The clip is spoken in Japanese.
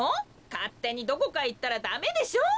かってにどこかへいったらダメでしょ！